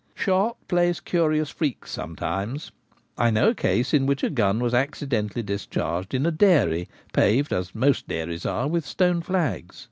Shot plays curious freaks sometimes : I know a. 204 The Gamekeeper al Home. case in which a gun was accidentally discharged in a dairy paved as most dairies are with stone flags.